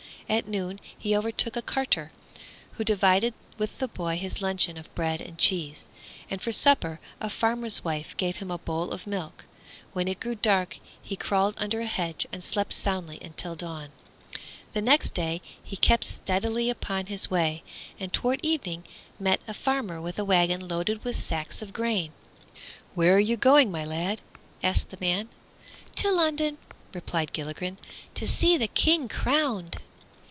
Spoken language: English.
At noon he overtook a carter, who divided with the boy his luncheon of bread and cheese, and for supper a farmer's wife gave him a bowl of milk. When it grew dark he crawled under a hedge and slept soundly until dawn. The next day he kept steadily upon his way, and toward evening met a farmer with a wagon loaded with sacks of grain. "Where are you going, my lad?" asked the man. "To London," replied Gilligren, "to see the King crowned."